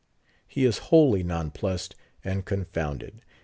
_" He is wholly nonplussed, and confounded.